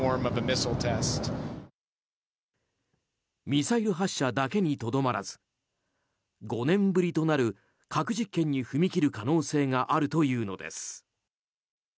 ミサイル発射だけにとどまらず５年ぶりとなる核実験に踏み切る可能性があるというのです。